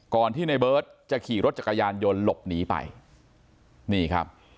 ที่ในเบิร์ตจะขี่รถจักรยานยนต์หลบหนีไปนี่ครับ